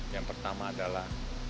yang pertama adalah